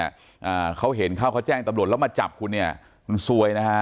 อ่าเขาเห็นเขาเขาแจ้งตำรวจแล้วมาจับคุณเนี้ยมันซวยนะฮะ